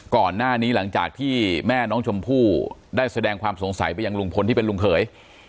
ก่อนหน้านี้หลังจากที่แม่น้องชมพู่ได้แสดงความสงสัยไปยังลุงพลที่เป็นลุงเขย